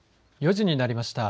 ４時になりました。